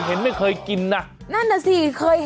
เฮ้ยว้าว